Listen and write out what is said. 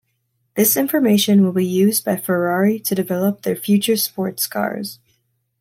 This information will be used by Ferrari to develop their future sports cars.